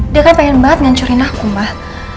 dia kan pengen banget ngancurin aku mah